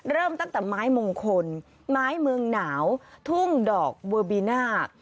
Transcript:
เริ่มตั้งแต่ไม้มงคลไม้เมืองหนาวทุ่งดอกเบอร์บีน่า